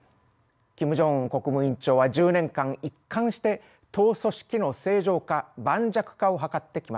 キム・ジョンウン国務委員長は１０年間一貫して党組織の正常化盤石化を図ってきました。